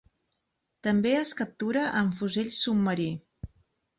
També es captura amb fusell submarí.